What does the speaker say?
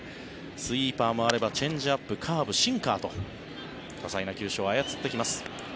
スイーパーもあればチェンジアップカーブ、シンカーと多彩な球種を操ってきます。